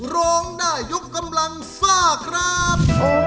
ร้องได้ยกกำลังซ่าครับ